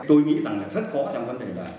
tôi nghĩ rằng rất khó trong vấn đề là